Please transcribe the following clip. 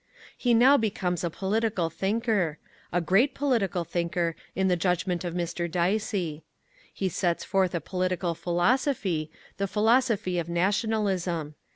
He now becomes a political thinker a great political thinker, in the judgment of Mr. Dicey. He sets forth a political philosophy the philosophy of Nationalism.